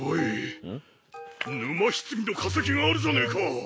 沼棺の化石があるじゃねぇか！